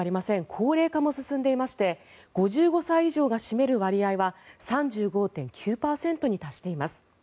高齢化も進んでいまして５５歳以上が占める割合は３５．９％に達しています。